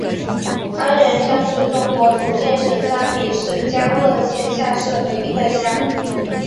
安仁乡是中国福建省三明市将乐县下辖的一个乡。